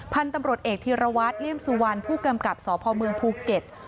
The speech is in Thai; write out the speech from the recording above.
พันธุ์ตำรวจเอกธีรวัตรเลี่ยมสุวรรณผู้กำกับสพเมืองภูเก็ต